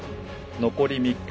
残り３日。